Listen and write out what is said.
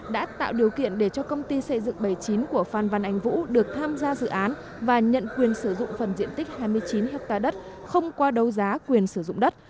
đã tạo điều kiện để cho công ty xây dựng bảy mươi chín của phan văn anh vũ được tham gia dự án và nhận quyền sử dụng phần diện tích hai mươi chín ha đất không qua đấu giá quyền sử dụng đất